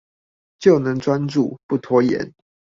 就能專注、不拖延